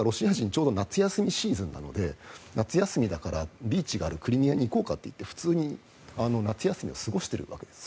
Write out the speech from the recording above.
ちょうど夏休みシーズンなので夏休みだからビーチがあるクリミアに行こうかって言って普通に夏休みを過ごしているわけです。